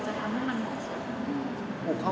เพราะว่าเราเป็นดาราด้วยคุณคุณคุณ